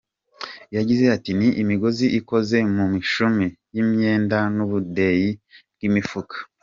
Yagize ati “Ni imigozi ikoze mu mishumi y’ imyenda n’ ubudeyi bw’ imifuka.